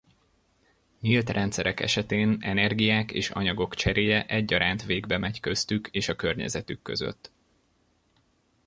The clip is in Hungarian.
Nyílt rendszerek esetén energiák és anyagok cseréje egyaránt végbemegy köztük és a környezetük között.